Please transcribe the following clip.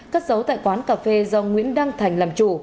cất giấu tại quán cà phê do nguyễn đăng thành làm chủ